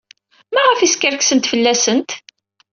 Maɣef ay skerksent fell-asent?